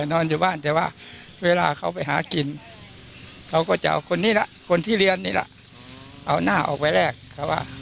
นอนอยู่บ้านแต่ว่าเวลาเขาไปหากินเขาก็จะเอาคนที่เลี้ยนนี่แหละเอาหน้าออกไปแลก